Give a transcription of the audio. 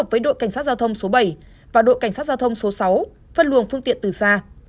và đội cảnh sát giao thông số sáu phân luồng phương tiện từ xa